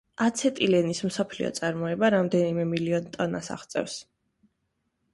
აცეტილენის მსოფლიო წარმოება რამდენიმე მილიონ ტონას აღწევს.